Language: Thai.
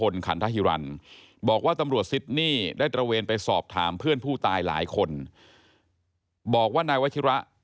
และจะไปแจ้งตำรวจ